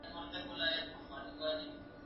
کېدای سي زده کړه ستونزي ولري،